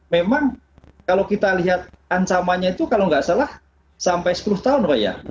memang kalau kita lihat ancamannya itu kalau nggak salah sampai sepuluh tahun pak ya